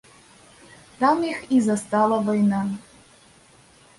Там іх і застала вайна.